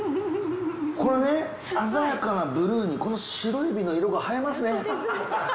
これね鮮やかなブルーにこのシロエビの色が映えますね。